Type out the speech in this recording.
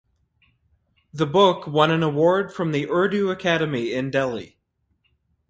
The book won an award from the Urdu Academy in Delhi.